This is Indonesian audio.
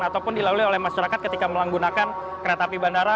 ataupun dilalui oleh masyarakat ketika menggunakan kereta api bandara